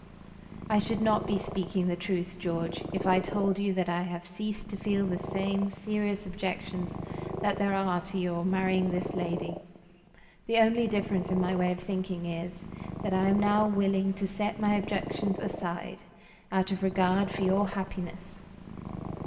I should not be speaking the truth, George, if I told you that I have ceased to feel the serious objections that there are to your marrying this lady. The only difference in my way of thinking is, that I am now willing to set my objections aside, out of regard for your happiness.